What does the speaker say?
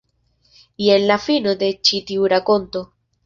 Jen la fino de ĉi tiu rakonto.